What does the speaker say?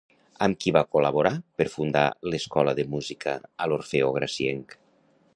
Amb qui va col·laborar per fundar l'Escola de Música a l'Orfeó Gracienc?